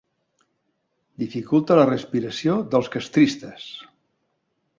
Dificulta la respiració dels castristes.